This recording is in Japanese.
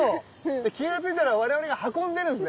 で気が付いたら我々が運んでるんですね？